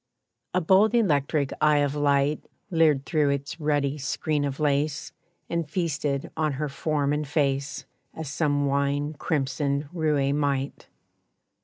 A bold electric eye of light Leered through its ruddy screen of lace And feasted on her form and face As some wine crimsoned roué might.